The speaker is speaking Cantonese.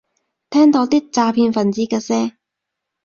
聽到啲詐騙份子嘅聲